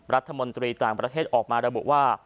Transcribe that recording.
รัฐมนตรีต่างประเทศออกมาระบุว่า